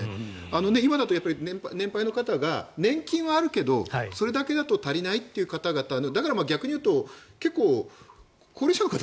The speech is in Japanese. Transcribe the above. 今だと年配の方が年金はあるけどそれだけだと足りないという方々だから逆に言うと結構高齢者の方